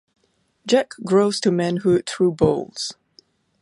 Jack grows to manhood through bowls.